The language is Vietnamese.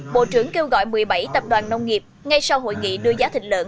bộ trưởng kêu gọi một mươi bảy tập đoàn nông nghiệp ngay sau hội nghị đưa giá thịt lợn